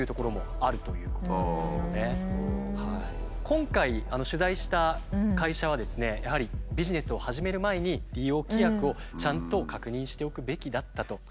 今回取材した会社はですねやはりビジネスを始める前に利用規約をちゃんと確認しておくべきだったと。